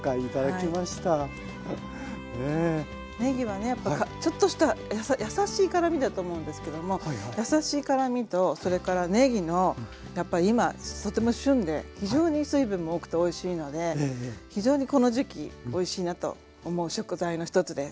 ねぎはねやっぱちょっとした優しい辛みだと思うんですけども優しい辛みとそれからねぎのやっぱ今とても旬で非常に水分も多くておいしいので非常にこの時期おいしいなと思う食材の一つです。